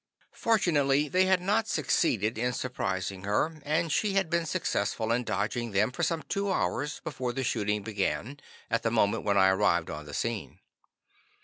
Fortunately they had not succeeded in surprising her, and she had been successful in dodging them for some two hours before the shooting began, at the moment when I arrived on the scene.